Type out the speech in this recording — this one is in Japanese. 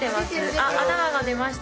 あ頭が出ました。